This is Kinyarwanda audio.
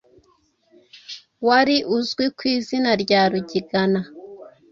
wari uzwi ku izina rya Rugigana,